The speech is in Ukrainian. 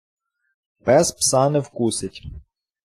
Пес пса не вкусить.